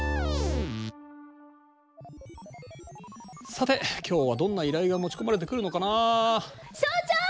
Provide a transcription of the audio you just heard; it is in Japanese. さて今日はどんな依頼が持ち込まれてくるのかな？所長！